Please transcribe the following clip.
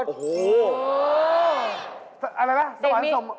เด็กมี